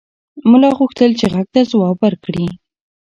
ملا غوښتل چې غږ ته ځواب ورکړي.